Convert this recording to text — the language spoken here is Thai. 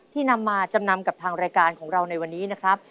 นำมาจำนำกับทางรายการของเราในวันนี้นะครับ